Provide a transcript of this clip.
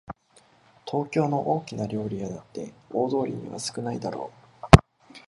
東京の大きな料理屋だって大通りには少ないだろう